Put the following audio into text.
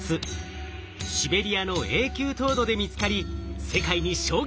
シベリアの永久凍土で見つかり世界に衝撃を与えたある生物。